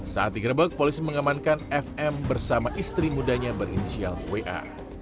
saat digerebek polisi mengamankan fm bersama istri mudanya berinisial wa